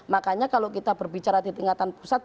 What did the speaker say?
makanya kalau kita berbicara di tingkatan pusat